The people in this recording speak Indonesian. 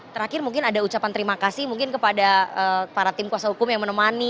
terakhir mungkin ada ucapan terima kasih mungkin kepada para tim kuasa hukum yang menemani